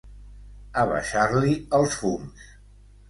Abaixar-li els fums.